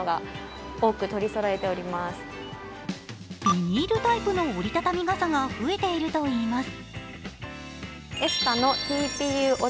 ビニールタイプの折り畳み傘が増えているといいます。